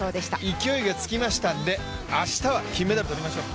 勢いがつきましたので、明日は金メダル取りましょう！